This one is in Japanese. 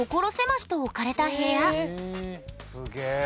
すげえ。